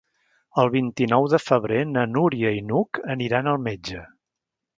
El vint-i-nou de febrer na Núria i n'Hug aniran al metge.